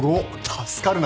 助かるなぁ。